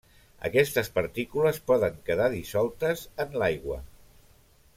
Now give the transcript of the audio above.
Aquestes partícules poden quedar dissoltes en l'aigua.